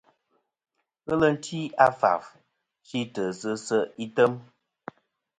Ghelɨ ti a faf chitɨ sɨ se' item.